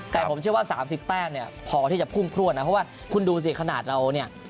แต่ผมเชื่อว่า๓๐แต้มเนี่ยพอที่จะพุ่งครวดนะเพราะว่าคุณดูสิขนาดเราเนี่ย